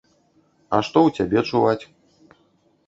А што ў цябе чуваць?